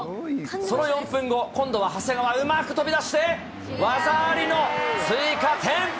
その４分後、今度は長谷川、うまく飛び出して、技ありの追加点。